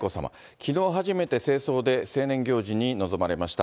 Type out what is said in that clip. きのう初めて正装で成年行事に臨まれました。